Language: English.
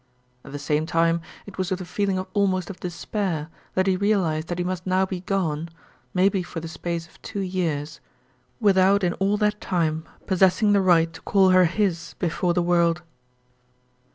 At the same time it was with a feeling almost of despair that he realized that he must now be gone maybe for the space of two years without in all that time possessing the right to call her his before the world.